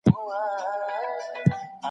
کمپيوټر بلنليک جوړوي.